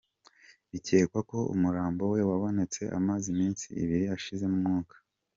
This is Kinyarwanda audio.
Bikekwa ko umurambo we wabonetse amaze iminsi ibiri ashizemo umwuka.